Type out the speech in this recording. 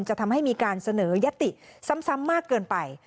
จะทำให้มีการเสนอยติซ้ำมากเกินไป